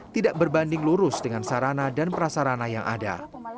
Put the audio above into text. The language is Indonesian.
tidak berbanding lurus dengan sarana dan prasarana yang ada